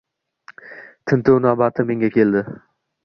Tintuv navbati menga keldi.